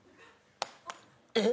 えっ？